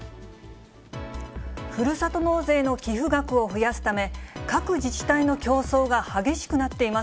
ふるさと納税の寄付額を増やすため、各自治体の競争が激しくなっています。